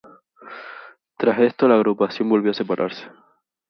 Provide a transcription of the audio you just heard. Tras esto, la agrupación volvió a separarse.